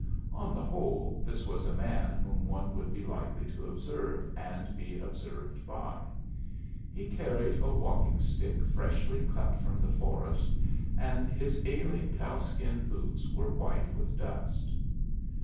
On the whole, this was a man whom one would be likely to observe and be observed by. He carried a walking stick freshly cut from the forest and his ailing cowskin boots were white with dust.